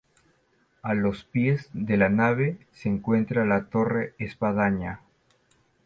A los pies de la Nave se encuentra la Torre-espadaña.